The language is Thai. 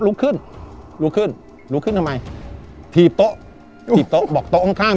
ลุกขึ้นลุกขึ้นลุกขึ้นทำไมถีบโต๊ะถีบโต๊ะบอกโต๊ะข้างข้าง